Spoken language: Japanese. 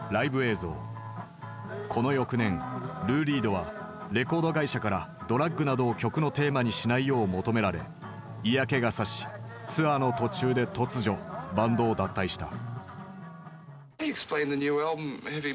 この翌年ルー・リードはレコード会社からドラッグなどを曲のテーマにしないよう求められ嫌気がさしツアーの途中で突如バンドを脱退した。